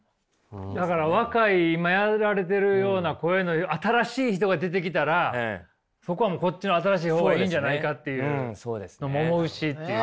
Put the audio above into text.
だから若い今やられているような声の新しい人が出てきたらそこはもうこっちの新しい方がいいんじゃないかっていう思うしっていう。